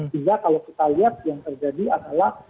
sehingga kalau kita lihat yang terjadi adalah